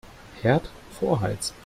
Herd vorheizen.